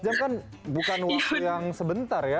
sembilan belas jam kan bukan waktu yang sebentar ya